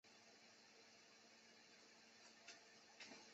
李普出生于湖南湘乡。